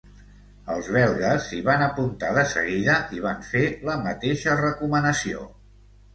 Els belgues s’hi van apuntar de seguida i van fer la mateixa recomanació.